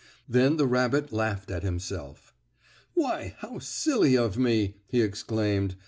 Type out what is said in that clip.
Then the rabbit laughed at himself. "Why, how silly of me!" he exclaimed.